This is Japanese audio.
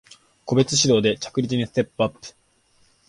個別指導で着実にステップアップ